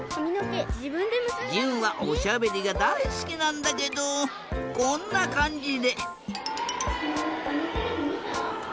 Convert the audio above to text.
じゅんはおしゃべりがだいすきなんだけどこんなかんじで。